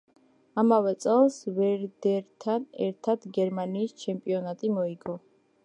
ამავე წელს „ვერდერთან“ ერთად გერმანიის ჩემპიონატი მოიგო.